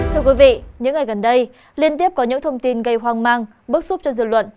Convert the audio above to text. thưa quý vị những ngày gần đây liên tiếp có những thông tin gây hoang mang bức xúc cho dư luận